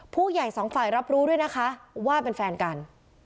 ผู้ใหญ่สองฝ่ายรับรู้ด้วยนะคะว่าเป็นแฟนกัน